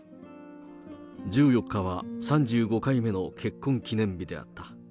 １４日は３５回目の結婚記念日であった。